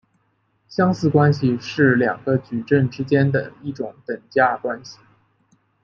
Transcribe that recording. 相似关系是两个矩阵之间的一种等价关系。